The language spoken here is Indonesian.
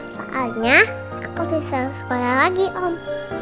soalnya aku bisa sekolah lagi om